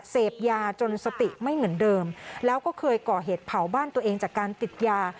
เสพยาจนสติไม่เหมือนเดิมแล้วก็เคยก่อเหตุเผาบ้านตัวเองจากการติดยา